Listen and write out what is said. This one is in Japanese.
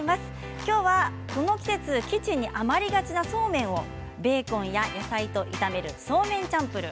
きょうはこの季節キッチンに余りがちなそうめんをベーコンや野菜と炒めるそうめんチャンプルー。